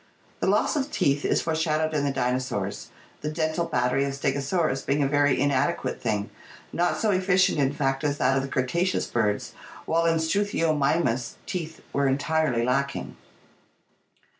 The loss of teeth is foreshadowed in the dinosaurs, the dental battery of Stegosaurus being a very inadequate thing, not so efficient in fact as that of the Cretaceous birds, while in Slruthiomitnus teeth were entirely lacking.